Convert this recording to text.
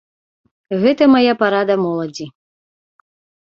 Гэта мая парада моладзі.